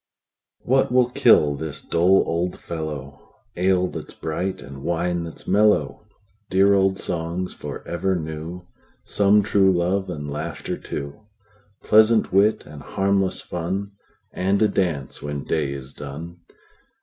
What will kill this dull old fellow? Ale that 's bright, and wine that 's mellow! Dear old songs for ever new; Some true love, and laughter too; Pleasant wit, and harmless fun, And a dance when day is done.